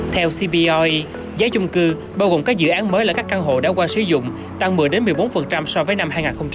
theo cbr giá chung cư bao gồm các dự án mới là các căn hộ đã qua sử dụng tăng một mươi một mươi bốn so với năm hai nghìn một mươi tám